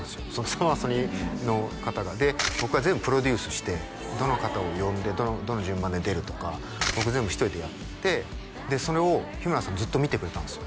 サマソニの方がで僕が全部プロデュースしてどの方を呼んでどの順番で出るとか僕全部１人でやってそれを日村さんずっと見てくれたんですよ